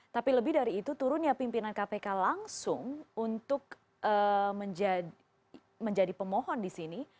tapi lebih dari itu turunnya pimpinan kpk langsung untuk menjadi pemohon di sini